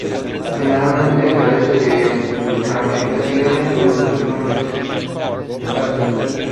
Generalmente carece de ramificaciones o estas son escasas.